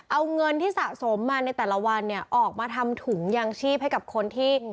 เอาเงินที่สะสมมาในแต่ละวันเนี่ยออกมาทำถุงยางชีพให้กับคนที่